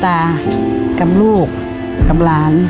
ถ้ามีเงินเหลือเยอะอยู่กับนั้นก็อยากไปหาทำร้านให้ยาย